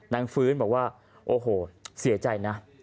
นางฟื้นบอกว่าโอ้โหเสียใจนะ